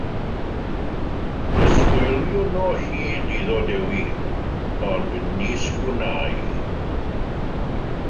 Disgwyliwn o hyd iddo dewi, ond nis gwnâi.